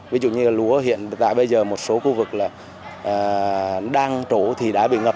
ví dụ như là lúa hiện tại bây giờ một số khu vực là đang trổ thì đã bị ngập